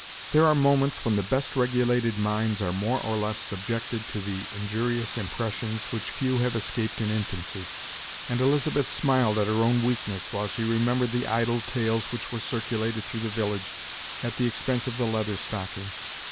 There are moments when the best regulated minds are more or less subjected to the injurious impressions which few have escaped in infancy; and Elizabeth smiled at her own weakness, while she remembered the idle tales which were circulated through the village, at the expense of the Leather Stocking.